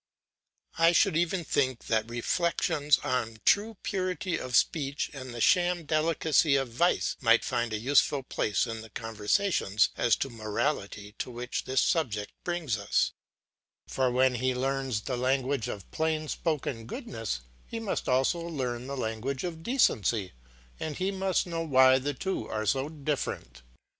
I should even think that reflections on true purity of speech and the sham delicacy of vice might find a useful place in the conversations as to morality to which this subject brings us; for when he learns the language of plain spoken goodness, he must also learn the language of decency, and he must know why the two are so different.